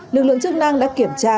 lực lượng chức năng đã kiểm tra